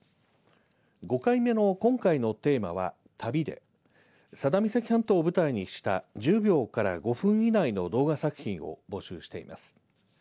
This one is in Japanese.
５回目の今回のテーマは旅で佐田岬半島を舞台にした１０秒から５分以内の動画作品を募集しています。